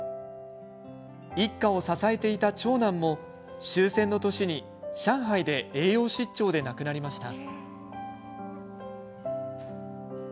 一家を支えていた長男も終戦の年に、上海で栄養失調で亡くなりました。